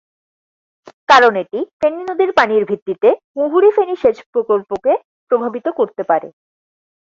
কারণ এটি ফেনী নদীর পানির ভিত্তিতে মুহুরী-ফেনী সেচ প্রকল্পকে প্রভাবিত করতে পারে।